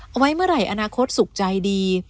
เอาไว้เมื่อไหร่อนาคตสุขใจดี